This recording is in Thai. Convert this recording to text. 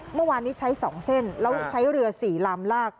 เมื่อวานนี้ใช้๒เส้นแล้วใช้เรือ๔ลำลาก